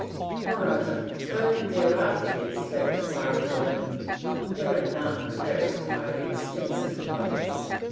Moreover, though there are figures that require adornment there are none that require expensive clothes.